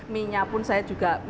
mie nya pun saya juga